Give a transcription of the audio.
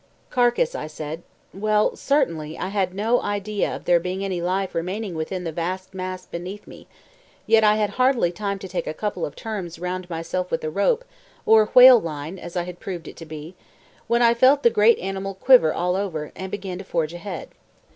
Carcass I said well, certainly I had no idea of there being any life remaining within the vast mass beneath me; yet I had hardly time to take a couple of turns round myself with the rope (or whale line, as I had proved it to be), when I felt the great animal quiver all over, and begin to forge ahead.